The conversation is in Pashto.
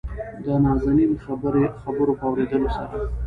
دنازنين خبرو په اورېدلو سره